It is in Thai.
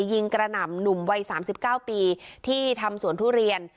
ยิงกระหน่ำหนุ่มวัยสามสิบเก้าปีที่ทำสวนทุเรียน